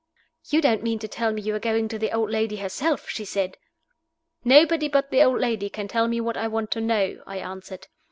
"You don't mean to tell me you are going to the old lady herself?" she said. "Nobody but the old lady can tell me what I want to know," I answered.